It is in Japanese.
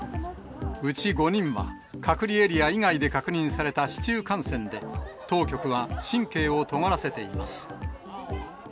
うち５人は、隔離エリア以外で確認された市中感染で、当局は神経をとがらせています。